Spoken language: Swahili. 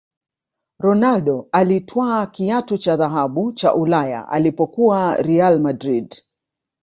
ronaldo alitwaa kiatu cha dhahabu cha ulaya alipokuwa real madrid